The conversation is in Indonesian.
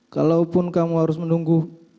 kalaupun kamu harus menunggu